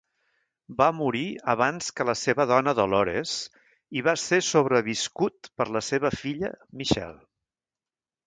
Va morir abans que la seva dona Dolores i va ser sobreviscut per la seva filla, Michele.